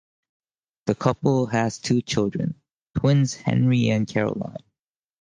The couple has two children: twins Henry and Caroline.